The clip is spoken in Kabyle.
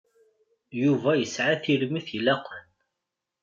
Yuba yesεa tirmit ilaqen.